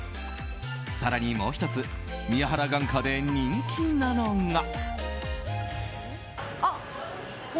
更にもう１つ宮原眼科で人気なのが。